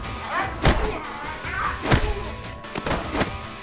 はい！